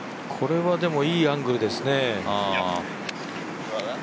これはいいアングルですね。